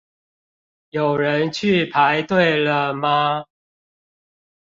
有人去排隊了嗎？